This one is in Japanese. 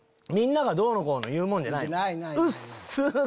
みんながどうのこうの言うもんじゃない。